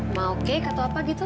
mau cake atau apa gitu